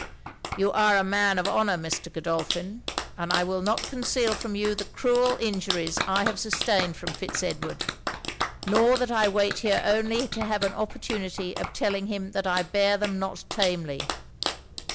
'You are a man of honour, Mr. Godolphin, and I will not conceal from you the cruel injuries I have sustained from Fitz Edward, nor that I wait here only to have an opportunity of telling him that I bear them not tamely.'